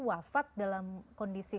wafat dalam kondisi